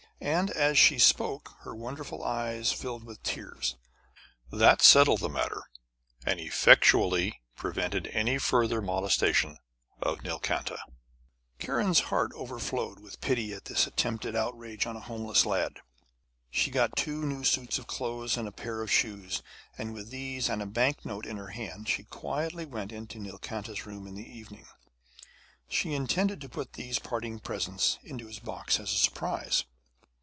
And as she spoke, her wonderful eyes filled with tears. That settled the matter, and effectually prevented any further molestation of Nilkanta! Kiran's heart overflowed with pity at this attempted outrage on a homeless lad. She got two new suits of clothes and a pair of shoes, and with these and a banknote in her hand she quietly went into Nilkanta's room in the evening. She intended to put these parting presents into his box as a surprise.